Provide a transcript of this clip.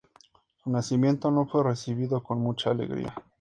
Su nacimiento no fue recibido con mucha alegría.